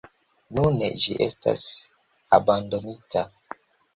Nune ĝi estas abandonita.